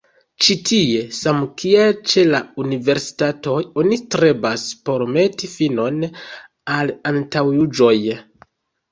Ĉi tie, samkiel ĉe la universitatoj, oni strebas por meti finon al antaŭjuĝoj".